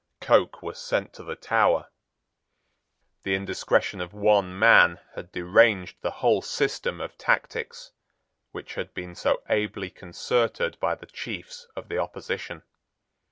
Coke was sent to the Tower. The indiscretion of one man had deranged the whole system of tactics which had been so ably concerted by the chiefs of the opposition.